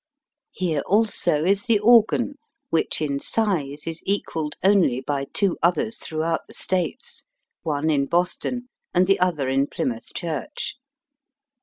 Here also is the organ, which in size is equalled only by two others throughout the States — one in Boston and the other in Plymouth Church.